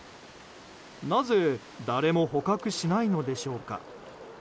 なぜ誰も捕獲しないのでしょうか。